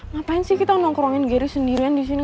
ngapain sih kita nongkrongin giri sendirian disini